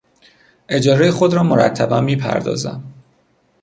اجارهی خود را مرتبا میپردازم.